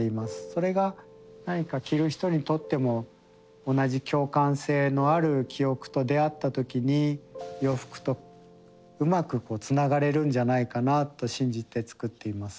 それが何か着る人にとっても同じ共感性のある記憶と出会った時に洋服とうまくつながれるんじゃないかなと信じて作っています。